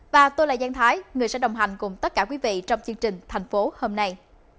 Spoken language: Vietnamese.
và tôi là giang thái người sẽ đồng hành cùng tất cả quý vị trong chương trình thành phố hôm nay